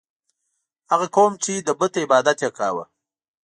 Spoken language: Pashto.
هغه قوم چې د بت عبادت یې کاوه.